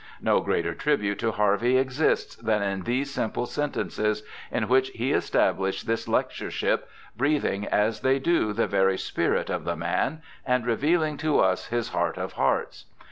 No greater tribute to Harvey exists than in these simple sentences in which he established this lectureship, breathing as they do the very spirit of the man, and revealing to us his heart of hearts.